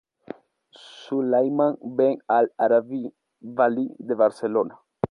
Sulayman ben al-Arabí, valí de Barcelona.